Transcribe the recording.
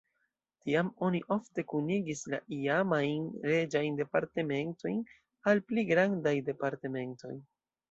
Tiam oni ofte kunigis la iamajn reĝajn departementojn al pli grandaj departementoj.